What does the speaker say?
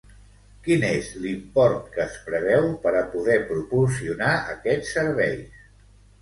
Quin és l'import que es preveu per a poder proporcionar aquests serveis?